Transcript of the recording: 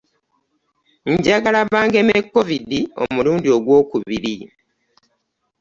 Njagala bangeme COVID omulundi ogwokubiri.